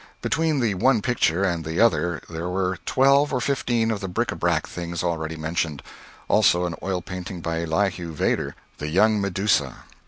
Between the one picture and the other there were twelve or fifteen of the bric à brac things already mentioned; also an oil painting by Elihu Vedder, "The Young Medusa."